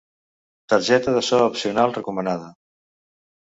Targeta de so opcional recomanada.